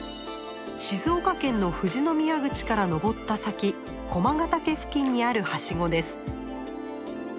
静岡県の富士宮口から登った先駒ヶ岳付近にある梯子です。